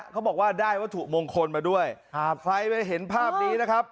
เขาบอกว่าได้วัตถุมงคลมาด้วยใครไปเห็นภาพนี้นะครับ